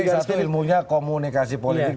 yang penting satu ilmunya komunikasi politik